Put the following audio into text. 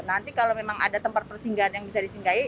nanti kalau memang ada tempat persinggahan yang bisa disinggahi